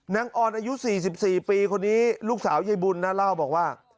ออนอายุ๔๔ปีคนนี้ลูกสาวยายบุญนะเล่าบอกว่า